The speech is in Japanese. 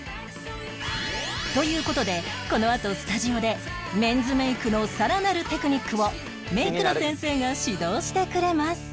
という事でこのあとスタジオでメンズメイクのさらなるテクニックをメイクの先生が指導してくれます